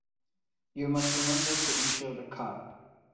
You must remember to insure the car.